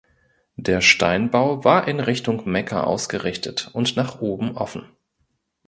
Der Steinbau war in Richtung Mekka ausgerichtet und nach oben offen.